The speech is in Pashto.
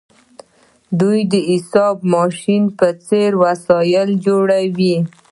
دوی د حساب ماشین په څیر وسایل جوړوي.